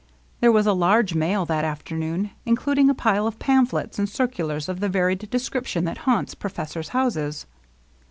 There was a large mail that afternoon, including a pile of pamphlets and circulars of the varied description that haunts professors' houses.